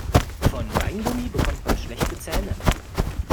Von Weingummi bekommt man schlechte Zähne.